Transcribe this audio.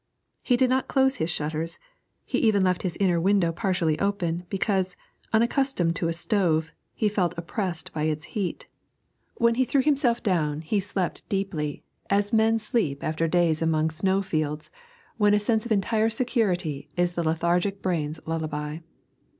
He did not close his shutters, he even left his inner window partially open, because, unaccustomed to a stove, he felt oppressed by its heat. When he threw himself down, he slept deeply, as men sleep after days among snowfields, when a sense of entire security is the lethargic brain's lullaby.